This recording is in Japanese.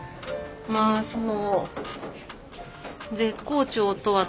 まあその。